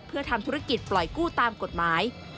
เพื่อทำธุรกิจปล่อยกู้ตามกฎหมาย